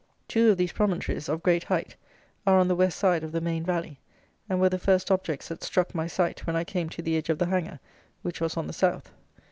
Two of these promontories, of great height, are on the west side of the main valley, and were the first objects that struck my sight when I came to the edge of the hanger, which was on the south.